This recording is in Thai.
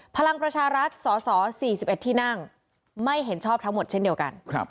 พลังประชารัฐสส๔๑ที่นั่งไม่เห็นชอบทั้งหมดเช่นเดียวกัน